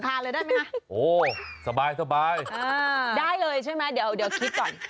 เลยได้ไหมคะโอ้สบายได้เลยใช่ไหมเดี๋ยวคิดก่อน